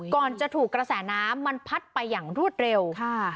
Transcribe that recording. ก่อนจะถูกกระแสน้ำมันพัดไปอย่างรวดเร็ว